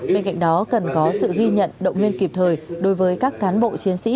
bên cạnh đó cần có sự ghi nhận động viên kịp thời đối với các cán bộ chiến sĩ